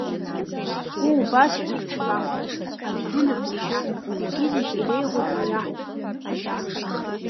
Сгәы убасшәа аҳәахуеит, Адәҳәынаԥ, сашьа, Зегьы-зегь иреиӷьушәа иаҳҳәар Ажьа!